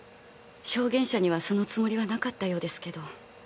証言者にはそのつもりはなかったようですけど。